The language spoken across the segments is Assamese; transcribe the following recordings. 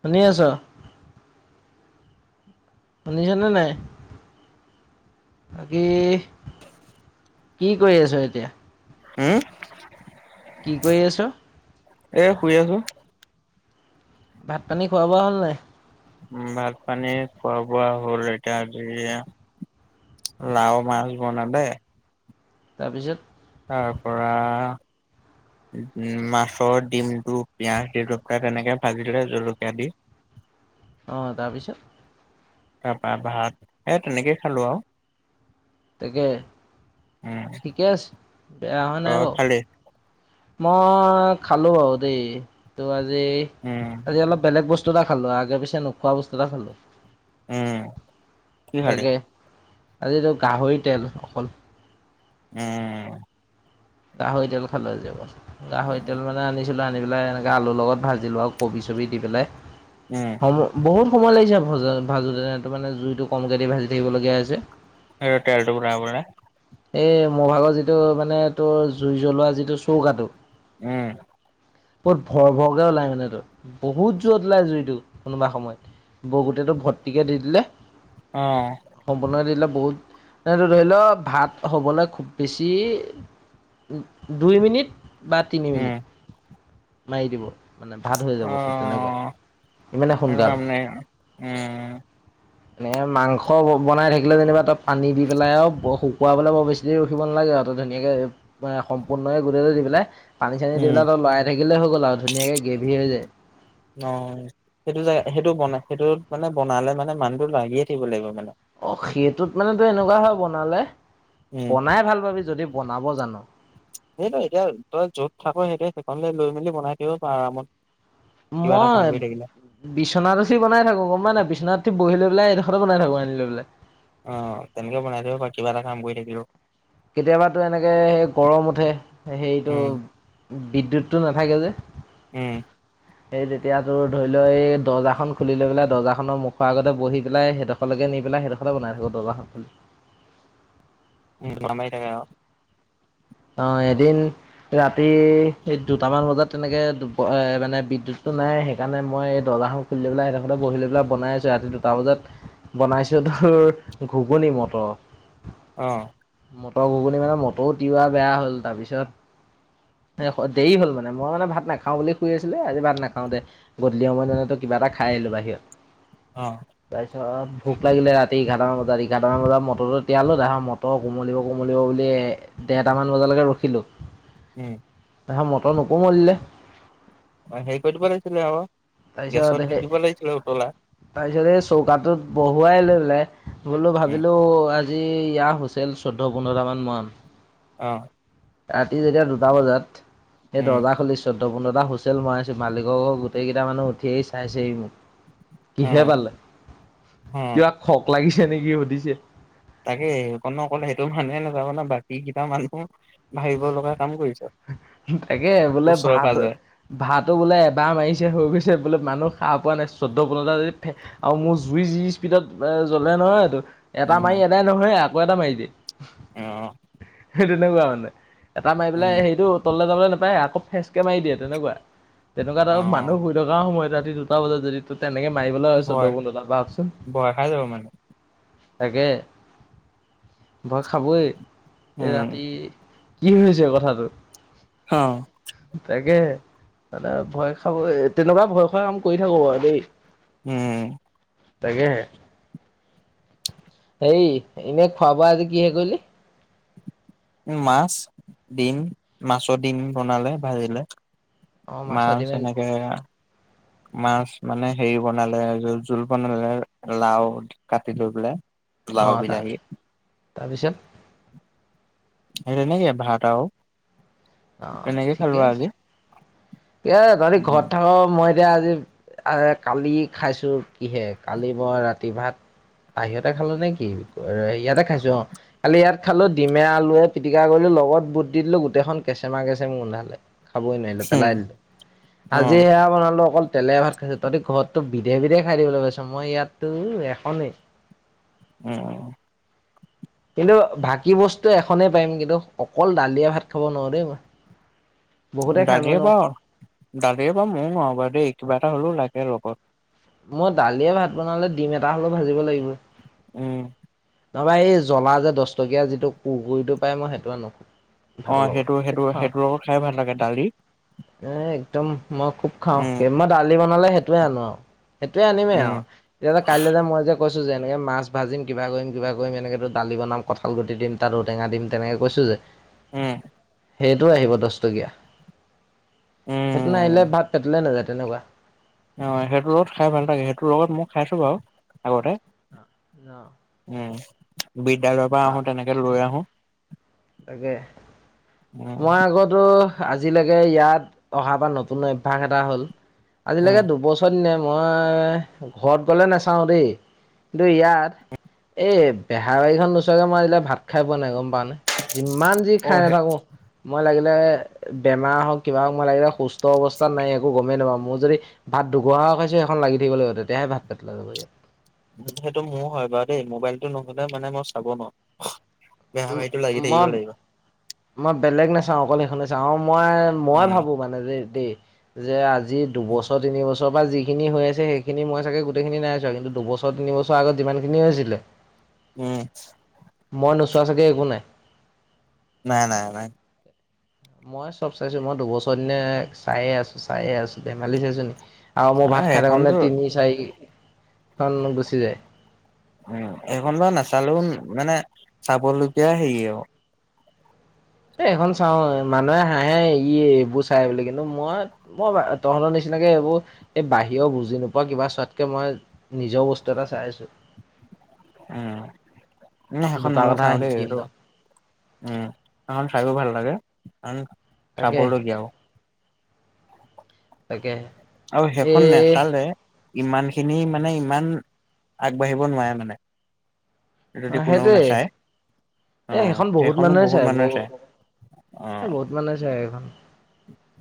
[inaudible] শুনি আছ? শুনিছানে নাই? বাকী, কি কৰি আছ এতিয়া? উম। [unintelligible] কি কৰি আছ? এ, শুই আছোঁ। ভাত-পানী, খোৱা-বোৱা হ'ল নাই? উম, ভাত-পানী, খোৱা-বোৱা হ'ল, এতিয়া আজৰি আৰু। লাও মাছ [unintelligible] তাৰপিছত? তাৰপৰা, [unintelligible] উম, মাছৰ ডিমটো পিয়াজ দি [unintelligible] তেনেকে ভাজিলে, জলকীয়া দি। অ'! তাৰপিছত? তাৰপৰা ভাত, এ, তেনেকে খালোঁ আৰু। তাকে, উম ঠিকে আছে! বেয়া হোৱা নাই তই বাৰু। খালি মই খালোঁ আৰু দেই। ত' আজি উম। আজি অলপ, বেলেগ বস্তু এটা খালোঁ, আগে -পিছে নোখোৱা বস্তু এটা খালোঁ। উম কি খালি তাকে, আজিতো গাহৰি তেল অকল। উম। গাহৰি তেল খালোঁ, আজি অকল। গাহৰি তেল মানে, আনিছিলোঁ, আনি পেলাই এনেকে, আলুৰ লগত ভাজিলোঁ আৰু কবি-চবি দি পেলাই। উম। সময়, বহুত সময় লাগিছে, ভা-ভাজোঁতে, ত' মানে, জুইটো কমকৈ দি ভাজি থাকিবলগীয়া হৈছে। আৰু তেলটো ওলাই গ'লে? এই, মোৰ ভাগৰ যিটো, মানে তোৰ, জুই জ্বলোৱা যিটো চৌকাটো, উম। বহুত ভৰ ভৰকে ওলাই মানে তোৰ বহুত জোৰত ওলাই জুইটো কোনোবা সময়ত। বৌ গোটেইটো ভৰ্তিকে দি দিলে। অ। সম্পূৰ্ণ দি দিলে বহুত ত এইটো ধৰি ল ভাত হ'বলৈ খুব বেছি দুই মিনিট বা তিনি উম মিনিট মাৰি দিব। মানে ভাত হৈ অ যাব তোৰ তেনেকুৱা ইমানে সেইটো কাম সোনকাল নাই উম এনে মাংস ব বনাই থাকিলে যেনিবা তই পানী দি পেলাই আৰু বহু খুৱাবলৈ বৰ বেছি দেৰি ৰখিব নালাগে আৰু তই ধুনীয়াকে সম্পূৰ্ণকে গোটেইটো দি পেলাই পানী - চানী দি উম পেলাই তই লৰাই থাকিলেই হৈ গ'ল আৰু ধুনীয়াকে গ্ৰেভি হৈ যায়। অ। সেইটো জাগা সেইটো বনাই সেইটো মানে বনালে মানে মানুহটো লাগিয়ে থাকিব লাগিব মানে। অ সেইটোত মানে তোৰ এনেকুৱা হয় বনালে, উম বনাই ভাল পাবি যদি বনাব জান'। এই তই এতিয়া তই য'ত থাক সেইটো সেইখন লৈ মেলি বনাই দিব পাৰোঁ আৰামত। কিবা এটা কাম মই কৰি থাকিলে বিচনাত উঠি বনাই থাকো গম পাই নাই, বিছনাত উঠি বহি লৈ পেলাই এডোখতে বনাই থাকো আনি লৈ পেলাই। অ তেনেকে বনাই থাক বা কিবা এটা কাম কৰি থাকিলো। কেতিয়াবাতো এনেকে সেই গৰম উঠে হেৰিতো উম বিদ্যুৎটো নাথাকে যে। উম। এই তেতিয়া তোৰ ধৰি ল এই দৰ্জাখন খুলি লৈ পেলাই দৰ্জাখনৰ মুখৰ আগতে বহি পেলাই সেইটো সকলকে নি পেলাই সেইডখৰতে বনাই থাকোঁ দৰ্জাখন খুলি। উম [inaudible] অ এদিন ৰাতি এই দুটামান বজাত তেনেকে প এ মানে বিদ্যুতটো নাই সেইকাৰণে মই এই দৰ্জাখন খুলি লৈ পেলাই সেইডখৰতে বহি লৈ পেলাই বনাই আছো ৰাতি দুটা বজাত বনাইছো তোৰ ঘুগুনী মটৰ। অ। মটৰ ঘুগুনি মানে মটৰ তিৱা বেয়া হ'ল তাৰপিছত তে হল দেৰি হ'ল মানে মই মানে ভাত নাখাওঁ বুলি শুই আছিলো এ আজি ভাত নাখাও দে। গধূলি সময়ত মানে তোৰ কিবা এটা খাই আহিলো বাহিৰত। অ। তাৰপিছত ভোক লাগিলে ৰাতি এঘাৰটামান বজাত, এঘাৰটামান বজাত মটৰটো তিয়ালো তাৰ ম মটৰ কোমলিব কোমলিব বুলি ডেৰটামান বজালৈকে ৰখিলোঁ। উম। তাহে মটৰ নোকোমলিলে অ হেৰি কৰি দিব লাগিছিলে আৰু তাৰপিছত সেই তাৰপিছত এই চৌকাটোত বহুৱাই লৈ পেলাই বোলো উম ভাবিলো আজি ইয়াৰ হৈছিল চৈধ্য, পোন্ধৰটামান মান। অ। ৰাতি যেতিয়া দুটা বজাত সেই উম দৰ্জা খুলিছ চৈধ্য, পোন্ধৰটা হৈছিল মই আছো মালিকক গোটেই কেইটা মানুহ উঠি আহি চাইছেহি মোক। অ কিহে পালে, অ কিবা খক লাগিছে নেকি সুধিছে? তাকে অকনে অকণে সেইটো মানুহে নাযাব ন বাকী কিবা মানুহো ভাবিব লগা কাম কৰিছ। তাকে বোলে ওচৰে ভাত পাজৰে ভাতো বোলে এবাৰ মাৰিছে হৈ গৈছে বোলে মানুহ খা পোৱা নাই চৈধ্য পোন্টা যদি ফে- আৰু মোৰ জুই যি স্পীডত এ জ্বলে নহয়টো- এটা উম মাৰি এদাই নহয় আকৌ এটা মাৰি দিয়ে। অঁ' সেই তেনেকুৱা মানে, এটা মাৰি উম পেলাই সেই- টো তলে যাবলে নাপায় আকৌ ফেচকে মাৰি দিয়ে তেনেকুৱা তেনেকুৱাত আৰু অ', মানুহ শু- থকা সময়ত ৰাতি দুটা বজাত যদি তোৰ তেনেকে মাৰিবলৈ হয় চৌধ্য ভয় পোন্ধতাত ভাবকচোন। ভয় খাই যাব মানে। তাকে, ভই খাবই। এই উম, ৰাতি কি হৈছে কথাটো? অঁ' তাকে, ভয় খাবৈ তেনেকুৱা ভয় খোৱা কাম কৰি থাকো বাৰু দেই। উম উম' তাকেহে, হেই এনেই খোৱা বোৱা আজি কি হে কৰিলি? মাছ, ডিম, মাছৰ ডিম বনালে ভাজিলে। অ মাছৰ মাছ ডিম এনেকে- মাছ মানে হেৰি বনালে জোল বনালে লাও। কাটি লৈ পেলাই। লাও অঁ তাৰ বিলাহী তাৰপিছত, - সেই তেনকে ভাত আও। অঁ ঠিকে আছে, এ তহতি ঘৰত উম, থাক মই- এতিয়া আজি কালি খাইছো কিহে? কালি মই ৰাতি ভাত- বাহিৰতে খালো নে কি? সেইয়াতে খাইছো অঁ'। কালি ইয়াত খালো, ডিমে আলুৱে পিটিকা কৰিলো লগত বুট দি দিলো গোটেইখন- কেঁচেমা কেঁচেম গোন্ধালে খাবই নোৱাৰিলো পেলাই দিলো, আজি অ', সেয়া বনালো অকল- তেলে ভাত খাইছো। তহঁতি ঘৰততো বিধে বিধে খাই দিবলৈ পাইছো মই ইয়াততোও এখনেই। উম উম' কিন্তু, বাকী বস্তু এখনেই পাৰিম কিন্তু অকল দালিয়া ভাত খাব নোৱাৰো দেই মই। বহুতে খাই মই দালিয়ে নোৱাৰো। বাৰু দালিয়ে বাৰু মই নোৱাও বাও দেই কিবা এটা হ'লও লাগে লগত। মই দালিয়ে ভাত বনালে ডিম এটা হ'লেও ভাজিব লাগিব। উম' তাপা এই জ্বলা যে দছটকীয়া যিটো কুকুৰিটো পাই মই সেইটো আনো। ভাতৰ অঁ লগত সেইটো খুব সেইটো খাওঁ। সেইটো লগত খাই ভাল লাগে দালি। এ একদম মই খুব- খাওঁ। উম, মই দালি বনালে সেইটোয়ে আনো আও সেইটোয়ে আনিমেই উম, আৰু। তেতিয়া কাইলে যে মই যে কৈছো যে এনেক মাছ ভাজিম কিবা কৰিম কিবা কৰিম এনেকেটো দালি বনাম। কঁঠাল গুটি দিম তাত ঔটেঙা দিম তেনেকে কৈছো যে- উম' সেইটো আহিব দছটকীয়া। সেইটো বাহিৰে উম। ভাত পেতলে নাযায় তেনেকুৱা। অঁ সেইটো লগত খাই ভাল লাগে, সেইটোৰ লগত মই খাইছোঁ বাৰু আগতে। ন। উম' বিদ্যালয় পৰা আহোঁ তেনেকে লৈ আহোঁ। তাকে, মই আগতো- আজিলেকে ইয়াত অহা পা নতুন অভ্যাস এটা হ'ল, উম আজিলেকে দুবছৰ দিনে- মই ঘৰত গলে নাচাওঁ দেই, কিন্তু ইয়াত- এই বেহাৰবাৰীখন নোচোৱাকৈ, মই আজিলৈকে ভাত খাই পোৱা নাই গম পাৱ নে। যিমান যি অ খাই সেই নাথাকো। মই লাগিলে বেমাৰ হওঁক কিবা হওঁক, মই লাগিলে সুস্থ অৱস্থাত নাইয়ে একো গমেই নাপাওঁ, মোৰ যদি ভাত দুঘহা খাইছো সেইখন লাগি থাকিব লাগিব, তেতিয়াহে ভাত পেটলে যাব। সেইটো মোৰ হয় বাৰু দেই, মোবাইলটো নহ'লে মানে মই চাব নোৱাৰোঁ। বেহাৰবাৰিটো লাগি মই থাকিব লাগিব। মই বেলেগ নাচাওঁ অকল সেইখনে চাওঁ। আৰু মই মই উম ভাবো মানে যে দেই যে আজি দুবছৰ, তিনিবছৰ পা যি খিনি হৈ আছে, সেইখিনি মই চাগে গোটেইখিনি নাইছোৱা, কিন্তু দুবছৰ, তিনিবছৰ আগত যিমান খিনি হৈছিলে উম। মই নোচোৱা চাগে একো নাই। নাই, নাই, নাই। মই চব চাইছো, মই দুবছৰ দিনে চাইয়ে আছো, চাইয়ে আছো, ধেমালি চাইছো নেকি। আৰু মোৰ ভাত থকা লৈ, এইখনতো তিনি, চাৰিখন গুচি যায়। উম, এইখন বা নাচালেও মানে চাবলগীয়া হেৰি আৰু। এ এইখন চাওঁ, মানুহে হাঁহে ই এইবোৰ চাই বুলি। কিন্তু মই মই তহঁতৰ নিচিনাকে, এইবোৰ এই বাহিৰৰ বুজি নোপোৱা কিবা চোৱাতকে মই নিজৰ বস্তু এটা চাই আছোঁ। উম, সেইখন দুটা মইয়ো কথা চাওঁ দেই, শিকিম সেইটো ৰ উম, সেইখন চাইও ভাল লাগে, কাৰন তাকে চাবলগীয়াও। তাকে। আৰু এ সেইখন নেচালে ইমান খিনি মানে ইমান, আগবাঢ়িব নোৱাৰে মানে। যদি কোনেও সেইটোৱে নাচায়। অ এ সেইখন বহুত সেইখনো মানুহ চাই মানুহে বহুত, চায় এ বহুত মানুহে চাই সেইখন।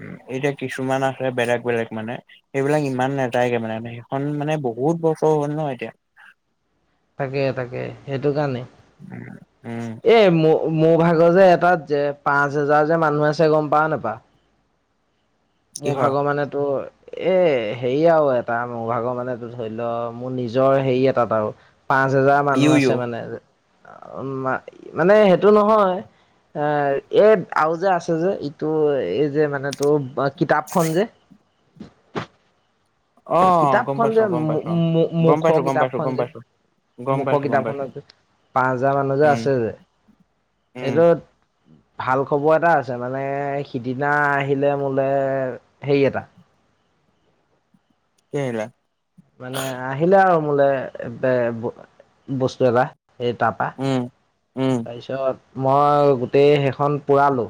উম, এতিয়া কিছুমান আছে বেলেগ, বেলেগ মানে। সেইবিলাক ইমান নেযায়গে মানে, সেইখন মানে বহুত বছৰ হ'ল ন এতিয়া। তাকে, তাকে সেইটো কাৰণে। উম, উম। এই মোৰ, মোৰ ভাগৰ যে এটাত যে, পাঁচ হেজাৰ যে মানুহ আছে গম পাওঁ, নাপাওঁ। মোৰ কিহৰ ভাগৰ মানে তোৰ এ হেৰি আৰু এটা, মোৰ ভাগৰ মানে ধৰি লও মোৰ নিজৰ হেৰি এটাত আৰু। পাঁচ হেজাৰ ইউ মানুহ ইউ আছে মানে, মানে সেইটো নহয়। এ এই আৰু যে আছে যে, ইটো এই যে মানে তোৰ কিতাপখন যে। অ গম কিতাপখন পাইছো যে, গম পাইছো অ গম মুখৰ পাইছো গম পাইছো কিতাপখন গম যে। পাইছো গম মুখৰ পাইছো গম পাইছো কিতাপখনত যে, পাঁচ হাজাৰ মানুহ যে উম আছে যে, উম এইটো ভাল খবৰ এটা আছে মানে, সিদিনা আহিলে মোলে হেৰি এটা কি আহিলে। মানে, আহিলে আৰু মোলে বস্তু এটা। এই তাৰপৰা, উম উম তাৰপিছত মই গোটেই সেইখন পোৰালো।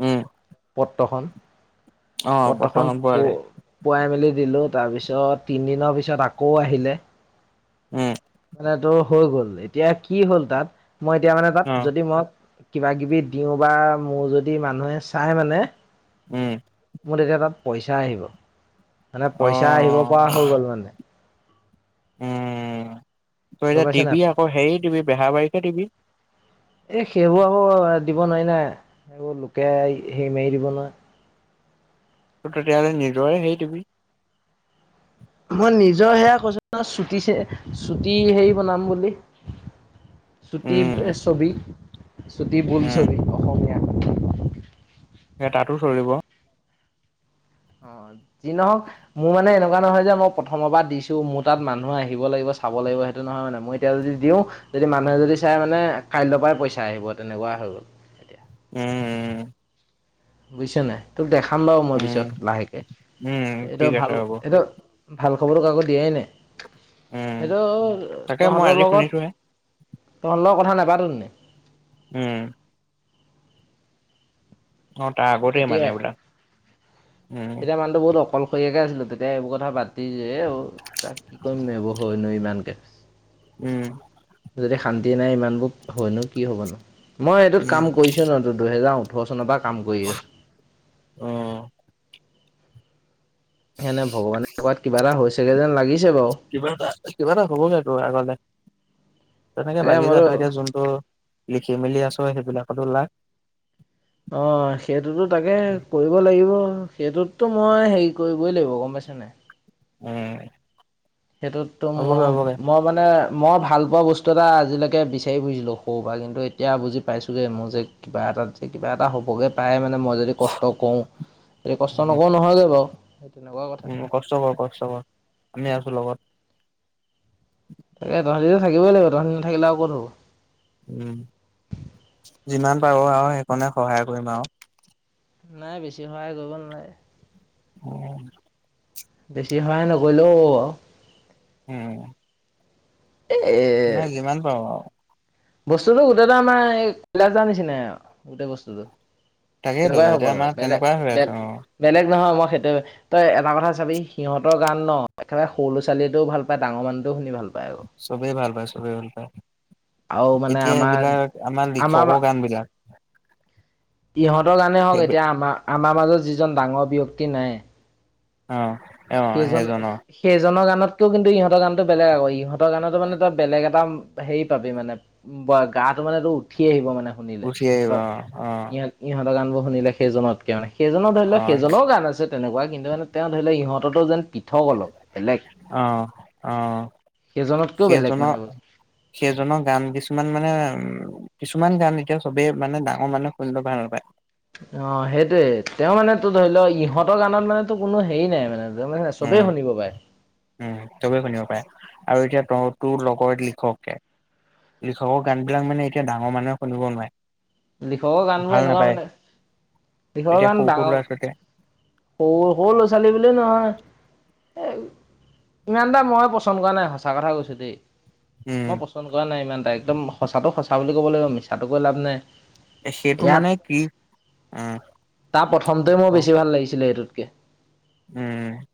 উম। পত্ৰখন, অ পত্ৰখন বৰ্তমান পু পোৱালে পুৰাই মেলি দিলোঁ, তাৰপিছত তিনদিনৰ পিছত আকৌ আহিলে। উম। মানে তোৰ হৈ গ'ল, এতিয়া কি হ'ল তাত, মই এতিয়া মানে অ তাত যদি মই কিবাকিবি দিওঁ বা মোৰ যদি মানুহে চাই মানে উম। মোৰ তেতিয়া তাত পইচা আহিব মানে অ পইচা আহিব পৰা হৈ গ'ল মানে। উম তই এতিয়া গম পাইছে নাই দিবি আকৌ হেৰি দিবি বেহা বাৰীকে দিবি। এই সেইবোৰ আকৌ দিব নোৱাৰি নাই সেইবোৰ লোকে সেৰি মাৰি দিব নহয়। ত তেতিয়া হ'লে নিজৰে সেই দিবি। মই নিজৰ সেয়া কৈছো ন চুটি চুটি হেৰি বনাম বুলি। চুটি উম ছবি চুটি বোল উম, ছবি অসমীয়া। এ তাতো চলিব। অ, যি নহওঁক। মোৰ মানে এনেকুৱা নহয় যে মই প্ৰথমৰ পৰা দিছোঁ মোৰ তাত মানুহ আহিব লাগিব চাব লাগিব সেইটো নহয় মানে মই তেতিয়া যদি দিও যদি মানুহে যদি চাই মানে কাইলৈ পৰাই পইচা আহিব তেনেকুৱা হৈ গ'ল। এতিয়া উম উম উম বুজিছা নাই তোক দেখাম বাৰু মই উম, উম, পিছত লাহেকে উম, এইটো ঠিক ভাল আছে হ'ব এইটো ভাল খবৰ কাকো দিয়াই নাই। উম, সেইটো তাকে মই তহঁতৰ আজি লগত শুনিছোহে তহঁতৰ লগ কথা নাপাতোনে। উম। অ', তাৰ আগতেই মানে তেতিয়াই বোলা উম, তেতিয়া মানুহটো বহুত অকল শৰিয়াকে আছিলো তেতিয়া এইবোৰ কথা পাতি যে অ', তাক কি কৰিম ন এইবোৰ হয়নো ইমানকে। উম। যদি শান্তি নাই ইমানবোৰ হয়নো কি হ'ব নো মই এইটোত উম, কাম কৰিছোঁ ন ত দুহেজাৰ ওঠৰ চনৰ পৰা কাম কৰি আছোঁ। অ'। এনে ভগৱানে কৰবাত কিবা এটা হৈছেগে যেন লাগিছেঁ বাৰু। কিবা এটা কিবা এটা হবগে তোৰ আগলে তেনেকে তাকে লাগি মই বোলো যাত এতিয়া যোন ত লিখি মেলি আছোঁ সেইবিলাকতো লাগ। অ', সেইটোতো তাকে কৰিব লাগিব সেইটোততো মই হেৰি কৰিবই লাগিব গম পাইচা নাই। উম। সেইটোত ত হ'বগে মই হ'বগে মই মানে মই ভালপোৱা বস্তু এটা আজিলৈকে বিচাৰি বুজিছিলোঁ সৰুৰ পৰা কিন্তু এতিয়া বুজি পাইছোঁগৈ মোৰ যে কিবা এটাত যে কিবা এটা হ'বগৈ পাৰে মানে মই য কষ্ট কৰোঁও এই কষ্ট উম, নকৰও নহয়গৈ বাৰু সেই তেনেকুৱা কথা। উম, কষ্ট কৰ কষ্ট কৰ আমি আছোঁ লগত। তাকে তহঁতিটো থাকই লাগিব তঁহতি নাথাকিলে আৰু ক'ত হ'ব। উম যিমান পাৰোঁ আৰু সেইকণে সহায় কৰিম আৰু। নাই বেছি সহায় কৰিব নালাগে। উম। বেছি সহায় নকৰিলেও হ'ব। উম। এ এ নাই যিমান পাৰো আৰু। বস্তুতটো গোটেইটা আমাৰ এই কলাচাৰ নিচিনাই গোটেই বস্তুটো। তাকেইতো তেনেকুৱাই হ'ব এতিয়া আৰু আমাৰ বেলেগ তেনেকুৱাই হৈ বে আছে অ'। বেলেগ নহয় মই সেইটো তই এটা কথা চাবি সিহঁতৰ গান ন একেবাৰে সৰু ছোৱালীও ভাল পায় ডাঙৰ মানুহটোও শুনি ভাল পায় আৰু। চবেই ভাল পায় চবেই ভাল পায়। আৰু মানে এতিয়া আমাৰ এইবিলাক, আমাৰ লিখকৰ গান বিলাক ইহঁতৰ গানেই হওঁক, সেই এতিয়া আমাৰ, আমাৰ মাজত যিজন ডাঙৰ ব্যক্তি নাই। অ, অ সেইজন, সেইজনৰ সেইজনৰ গানত কেও কিন্তু ইহঁতৰ গানতো বেলেগ আকৌ, ইহতৰ গানতো মানে তই বেলেগ এটা হেৰি পাবি মানে, গাটো মানেটো উঠি আহিব মানে, শুনিলে উঠি আহিব ইহঁতক, অ অ ইহঁত ইহঁৰ গান বোৰ শুনিলে সেইজনতকে মানে, সেইজনৰ ধৰি অ লও সেইজনৰও গান আছে তেনেকুৱা, কিন্তু মানে তেওঁ ধৰি লও ইহঁত ত, যেন পৃথক অলপ বেলেগ, অ অ সেইজনতকেও বেলেগ মানে সেইজনৰ সেইজনৰ গান কিছুমান মানে, উম, কিছুমান গান এতিয়া চবেই, মানে ডাঙৰ মানুহ শুনিব ভাল পায়। অ, সেইটোয়ে তেওঁ মানে তো, ধৰি ল, ইহঁতৰ গানত মানে, কোনো হেৰি নাই মানে মানে চবেই উম শুনিব পাই। উম, চবেই শুনিব পাৰে, আৰু এতিয়া ত, তোৰ লগৰ লিখকে লিখকৰ গানবিলাক মানে এতিয়া, মানুহে শুনিব নোৱাৰে। লিখকৰ গান বোৰ ভাল এনেকুৱা নাপায় মানে, লিখকৰ এতিয়া সৰু গান সৰু ল'ৰা ডাঙৰ ছোৱালীয়ে সৰু সৰু ল'ৰা-ছোৱালী বুলি নহয়, এ ইমান এটা মই পচন কৰা নাই, সঁচা কথা কৈছো দেই। উম মই পচন কৰা নাই, ইমান এটা, একদম সচাঁটো সঁচা বুলি ক'ব লাগিব, মিছাতো কৈ লাভ নাই। সেইটো ইয়াত মানে কি? উম, তাৰ প্ৰথমটোৱে মোৰ বেছি ভাল লাগিছিলে, এইটোতকে। উম, উম,